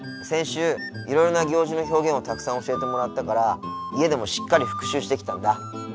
先週いろいろな行事の表現をたくさん教えてもらったから家でもしっかり復習してきたんだ。